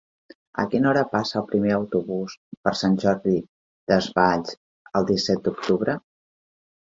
A quina hora passa el primer autobús per Sant Jordi Desvalls el disset d'octubre?